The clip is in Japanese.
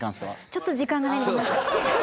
ちょっと時間がないんで。